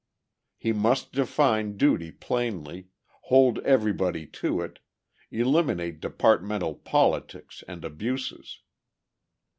He must define duty plainly, hold everybody to it, eliminate departmental politics and abuses.